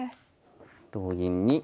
同銀に。